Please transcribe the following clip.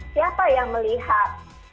siapa yang melihat